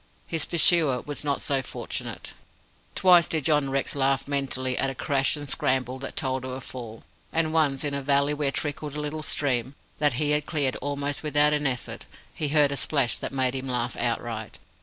His pursuer was not so fortunate. Twice did John Rex laugh mentally, at a crash and scramble that told of a fall, and once in a valley where trickled a little stream that he had cleared almost without an effort he heard a splash that made him laugh outright.